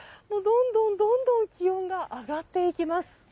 どんどん気温が上がっていきます。